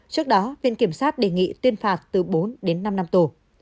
trước đó viện kiểm sát đề nghị tuyên phạt từ bốn đến năm năm tù